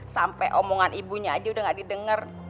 sampai omongan ibunya aja udah gak didengar